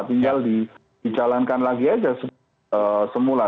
tinggal dijalankan lagi aja semula